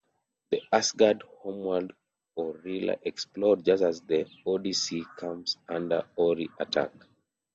The Asgard homeworld Orilla explodes just as the "Odyssey" comes under Ori attack.